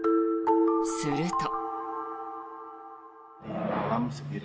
すると。